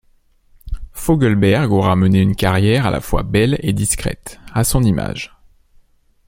Fogelberg aura mené une carrière à la fois belle et discrète, à son image.